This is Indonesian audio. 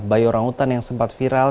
bayi orangutan yang sempat viral